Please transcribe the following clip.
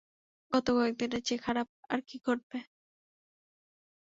গত কয়েকদিনের চেয়ে খারাপ আর কী ঘটবে?